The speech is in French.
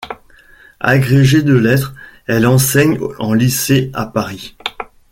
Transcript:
Agrégée de lettres, elle enseigne en lycée à Paris.